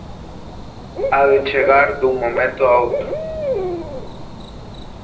Ha de chegar dun momento a outro